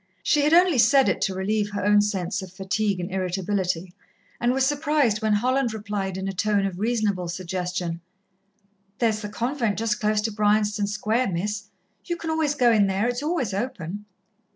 She had only said it to relieve her own sense of fatigue and irritability, and was surprised when Holland replied in a tone of reasonable suggestion: "There's the convent just close to Bryanston Square, Miss. You can always go in there it's always open."